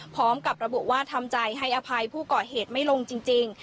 พร้อมกับระบุว่าทำใจให้อภัยผู้ก่อเหตุไม่ลงจริง